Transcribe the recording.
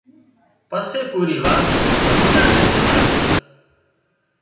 پُورِي وات زمينۮار نين همڀۯاوي